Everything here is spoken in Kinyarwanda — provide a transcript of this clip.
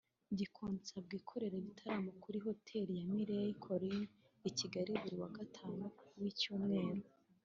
Gakondo isanzwe ikorera ibitaramo kuri Hotel de Mille Collines i Kigali buri wa Gatanu w’Icyumweru